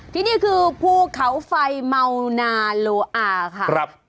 ที่นี่คือภูเขาไฟเมานาโลอาค่ะ